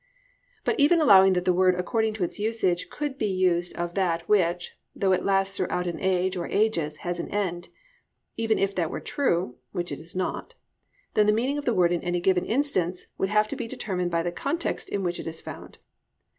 But even allowing that the word according to its usage could be used of that which, though it last throughout an age, or ages, has an end; even if that were true (which it is not), then the meaning of the word in any given instance would have to be determined by the context in which it is found.